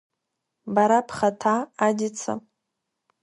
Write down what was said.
Бара бхаҭа, Адица?